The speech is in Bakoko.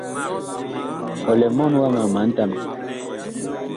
Ɔ lɛ mɔɔn wama ma ntamɛ.